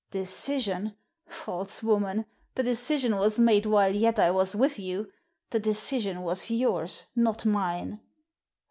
"Decision! False woman, the decision was made while yet I was with you. The decision was yours, not mine."